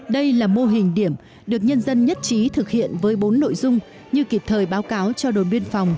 đây là mô hình điểm được nhân dân nhất trí thực hiện với bốn nội dung như kịp thời báo cáo cho đồn biên phòng